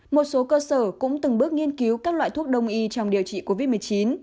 một số cơ sở cũng từng bước nghiên cứu các loại thuốc đông y trong điều trị covid một mươi chín